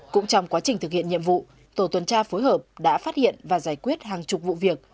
cũng trong quá trình thực hiện nhiệm vụ tổ tuần tra phối hợp đã phát hiện và giải quyết hàng chục vụ việc